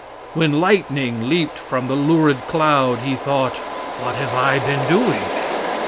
When lightning leaped from the lurid cloud, he thought, "What have I been doing?"